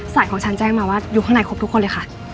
ของฉันแจ้งมาว่าอยู่ข้างในครบทุกคนเลยค่ะ